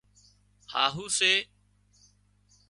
هاهو سي